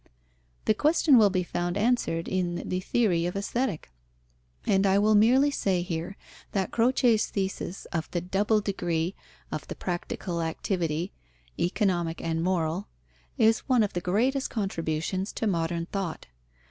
The question will be found answered in the Theory of Aesthetic, and I will merely say here that Croce's thesis of the double degree of the practical activity, economic and moral, is one of the greatest contributions to modern thought.